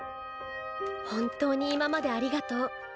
本当に今までありがとう。